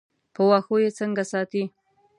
په واښو یې څنګه ساتې.